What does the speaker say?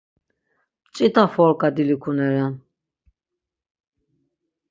Mç̌ita forǩa dilikuneren.